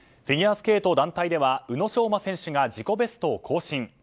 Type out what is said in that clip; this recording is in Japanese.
フィギュアスケート団体では宇野昌磨選手が自己ベストを更新。